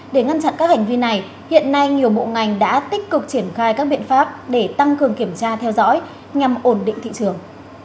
để ngăn chặn các hành vi này hiện nay nhiều bộ ngành đã tích cực triển khai các biện pháp để tăng cường kiểm tra theo dõi nhằm ổn định thị trường